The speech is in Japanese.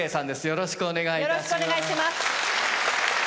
よろしくお願いします。